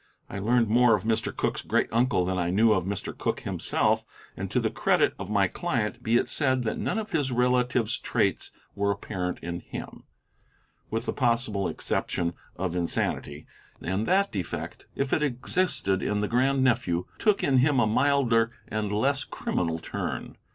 I learned more of Mr. Cooke's great uncle than I knew of Mr. Cooke himself, and to the credit of my client be it said that none of his relative's traits were apparent in him, with the possible exception of insanity; and that defect, if it existed in the grand nephew, took in him a milder and less criminal turn.